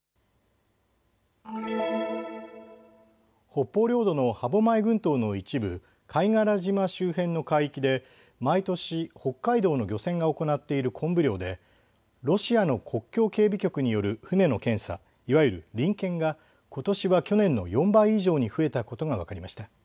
北方領土の歯舞群島の一部、貝殻島周辺の海域で毎年、北海道の漁船が行っているコンブ漁でロシアの国境警備局による船の検査、いわゆる臨検がことしは去年の４倍以上に増えたことが分かりました。